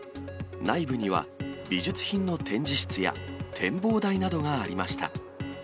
内部には、美術品の展示室や展望台などがありました。